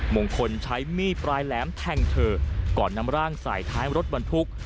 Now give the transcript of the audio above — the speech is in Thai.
มงคลใช้มีดปลายแหลมแทงเธอก่อนนำร่างใส่ท้ายรถบรรทุก